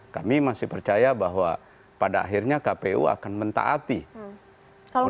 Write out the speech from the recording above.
kami masih percaya bahwa pada akhirnya kpu akan mentaati